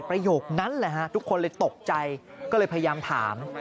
ประโยคนั้นแหละฮะทุกคนเลยตกใจก็เลยพยายามถาม